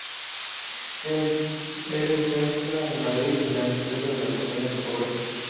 Era impresa en Madrid, en la imprenta de la Compañía Tipográfica.